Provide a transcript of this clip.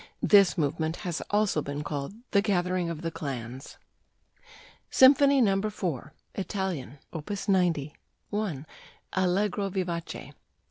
This movement has also been called "the gathering of the clans." SYMPHONY No. 4 ("ITALIAN"): Op. 90 1. Allegro vivace 2.